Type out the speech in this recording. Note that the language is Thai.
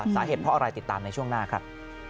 สาเหตุเพราะอะไรติดตามในช่วงหน้าครับ